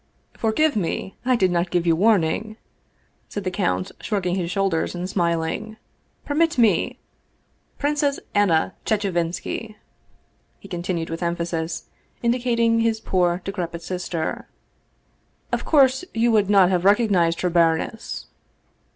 " Forgive me ! I did not give you warning," said the count, shrugging his shoulders and smiling", " permit me ! Princess Anna Chechevinski! " he continued with emphasis, indicating his poor, decrepit sister. " Of course you would not have recognized her, baroness."